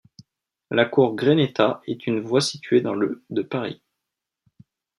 La cour Greneta est une voie située dans le de Paris.